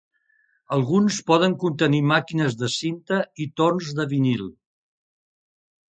Alguns poden contenir màquines de cinta i torns de vinil.